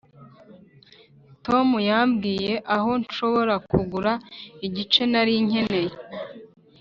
tom yambwiye aho nshobora kugura igice nari nkeneye